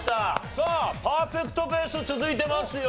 さあパーフェクトペース続いてますよ。